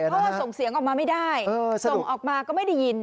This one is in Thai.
เพราะว่าส่งเสียงออกมาไม่ได้ส่งออกมาก็ไม่ได้ยิน